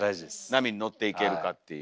波に乗っていけるかっていう。